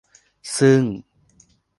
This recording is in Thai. ซึ่ง